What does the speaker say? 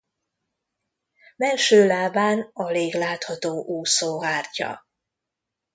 Mellső lábán alig látható úszóhártya.